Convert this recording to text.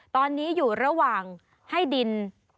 ตอนนี้อยู่ระหว่างให้ดิน